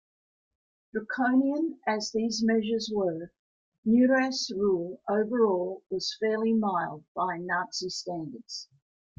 Draconian as these measures were, Neurath's rule overall was fairly mild by Nazi standards.